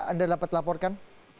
anda dapat laporkan